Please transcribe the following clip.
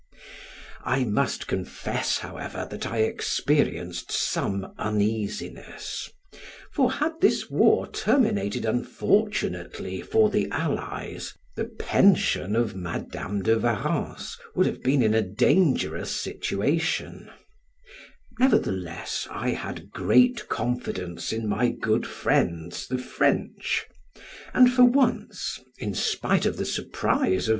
I must confess, however, that I experienced some uneasiness, for had this war terminated unfortunately for the allies, the pension of Madam de Warrens would have been in a dangerous situation; nevertheless, I had great confidence in my good friends, the French, and for once (in spite of the surprise of M.